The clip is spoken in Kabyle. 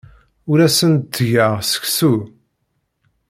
Ur asen-d-ttgeɣ seksu.